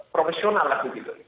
profesional lah begitu